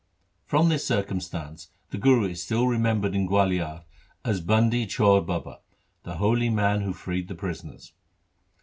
1 From this circumstance the Guru is still remem bered in Gualiar as Bandi Chhor Baba, the holy man who freed the prisoners.